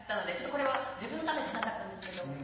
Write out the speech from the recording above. これは自分のためじゃなかったんですけど。